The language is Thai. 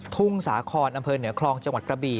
สาคอนอำเภอเหนือคลองจังหวัดกระบี่